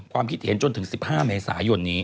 ความคิดเห็นจนถึง๑๕เมษายนนี้